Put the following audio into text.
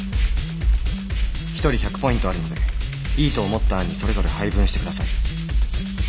一人１００ポイントあるのでいいと思った案にそれぞれ配分してください。